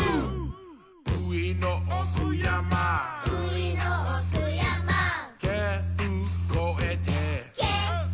「うゐのおくやま」「けふこえて」